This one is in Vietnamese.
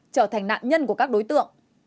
trở thành nạn nhân của các đối tượng